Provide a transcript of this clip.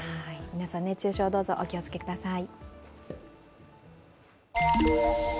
皆さん、熱中症、どうぞお気をつけください。